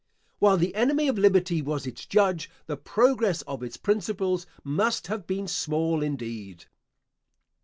While the enemy of liberty was its judge, the progress of its principles must have been small indeed.